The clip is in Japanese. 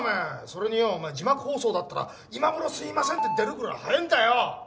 それによお前字幕放送だったら今頃「すみません」って出るぐらい早えんだよ！